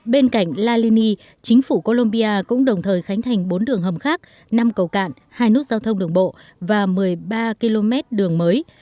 bên cạnh la lini chính phủ colombia cũng đồng thời khánh thành bốn đường hầm khác năm cầu cạn hai nút giao thông đường bộ và một mươi ba km đường mới